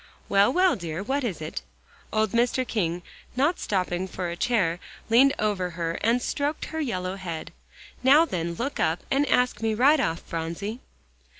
"Well, well, dear, what is it?" Old Mr. King, not stopping for a chair, leaned over her and stroked her yellow head. "Now, then, look up, and ask me right off, Phronsie."